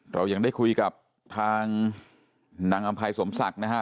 เรายังได้คุยกับทางนางอำภัยสมศักดิ์นะฮะ